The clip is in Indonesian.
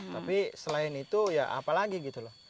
tapi selain itu ya apa lagi gitu loh